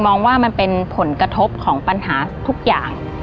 มองว่ามันเป็นผลกระทบของปัญหาทุกอย่าง